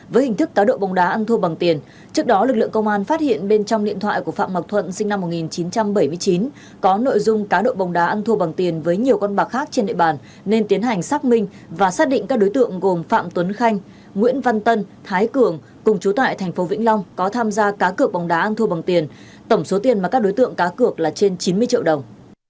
với hình thức cá độ bồng đá ăn thua bằng tiền trước đó lực lượng công an phát hiện bên trong điện thoại của phạm mạc thuận sinh năm một nghìn chín trăm bảy mươi chín có nội dung cá độ bồng đá ăn thua bằng tiền với nhiều con bạc khác trên địa bàn nên tiến hành xác minh và xác định các đối tượng gồm phạm tuấn khanh nguyễn văn tân thái cường cùng trú tại thành phố vĩnh long có tham gia cá cực bồng đá ăn thua bằng tiền tổng số tiền mà các đối tượng cá cực là trên chín mươi triệu đồng